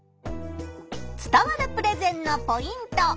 伝わるプレゼンのポイント。